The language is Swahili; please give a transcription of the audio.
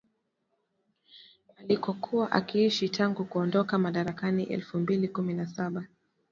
alikokuwa akiishi tangu kuondoka madarakani elfu mbili kumi na saba